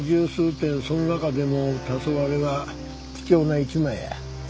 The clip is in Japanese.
その中でも『黄昏』は貴重な一枚や。